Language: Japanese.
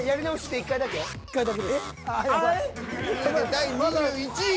第２１位。